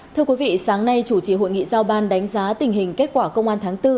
thưa quý vị sáng nay chủ trì hội nghị giao ban đánh giá tình hình kết quả công an tháng bốn